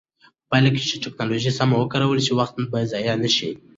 په پایله کې چې ټکنالوژي سمه وکارول شي، وخت به ضایع نه شي.